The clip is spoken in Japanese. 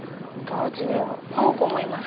この子もいます